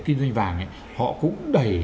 kinh doanh vàng họ cũng đầy